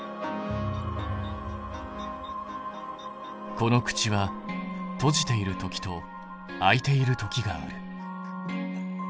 この口は閉じている時と開いている時がある。